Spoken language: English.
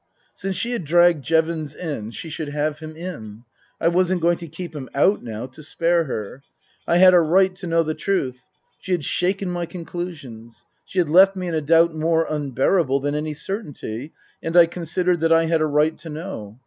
Since she had dragged Jevons in she should have him in. I wasn't going to keep him out now to spare her. I had a right to know the truth. She had shaken my conclusions. She had left me in a doubt more unbearable than any certainty, and I considered that I had a right to know.